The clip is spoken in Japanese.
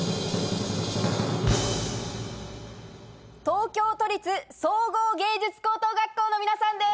東京都立総合芸術高等学校の皆さんです！